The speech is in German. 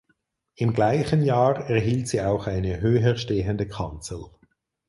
Im gleichen Jahr erhielt sie auch eine höher stehende Kanzel.